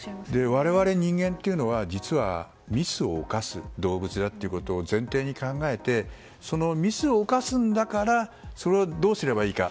我々、人間というのは実はミスを犯す動物だというのを前提に考えてミスを犯すんだからそれをどうすればいいか。